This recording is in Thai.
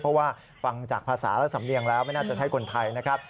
เพราะว่าฟังจากภาษาและสำเนียงแล้วไม่น่าจะใช่คนไทยนะครับ